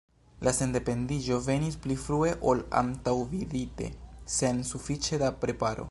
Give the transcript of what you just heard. La sendependiĝo venis pli frue ol antaŭvidite, sen sufiĉe da preparo.